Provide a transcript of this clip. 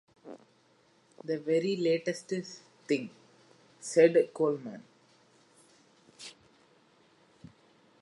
"The very latest thing," said Coleman.